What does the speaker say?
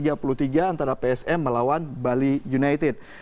antara psm melawan bali united